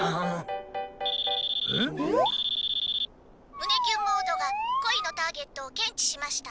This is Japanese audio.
「胸キュンモード」が恋のターゲットを検知しました」。